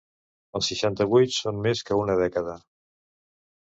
El seixanta-vuit són més que una dècada.